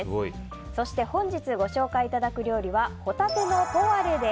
そして本日ご紹介いただく料理はホタテのポワレです。